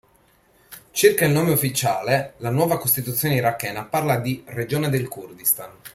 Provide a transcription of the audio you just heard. Circa il nome ufficiale, la nuova Costituzione irachena parla di "Regione del Kurdistan".